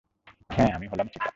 হ্যাঁ, আমি হলাম চিতা।